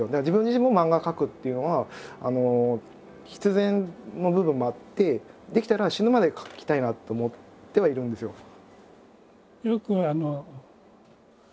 自分自身も漫画描くっていうのは必然の部分もあってできたら死ぬまで描きたいなと思ってはいるんですよ。